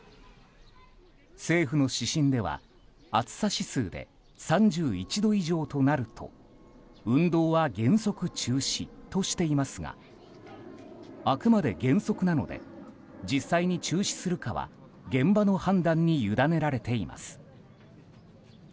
政府の指針では暑さ指数で３１度以上となると運動は原則中止としていますがあくまで原則なので実際に中止するかは現場の判断に委ねられています。